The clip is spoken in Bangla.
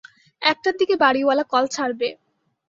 একটার দিকে বাড়িওয়ালা কল ছাড়বে।